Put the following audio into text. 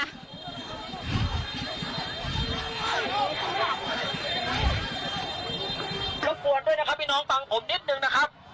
ก็ควรด้วยนะคะพี่น้องฟังผมนิดหนึ่งนะครับ